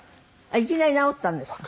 いきなり治ったんですか？